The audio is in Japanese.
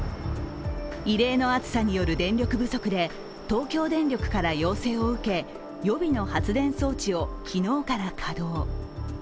異例の暑さによる電力不足で、東京電力から要請を受け、予備の発電装置を昨日から稼働。